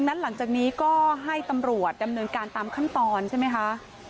หลังจากนี้ก็ให้ตำรวจดำเนินการตามขั้นตอนใช่ไหมคะ